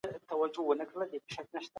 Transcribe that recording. په مجله کي مرکي ډېرې په زړه پورې وې.